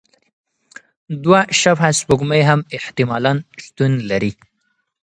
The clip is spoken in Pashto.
دوه شبح سپوږمۍ هم احتمالاً شتون لري.